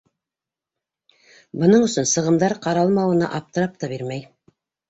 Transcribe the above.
Бының өсөн сығымдар ҡаралмауына аптырап та бирмәй.